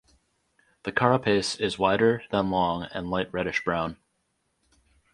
The carapace is wider than long and light reddish brown.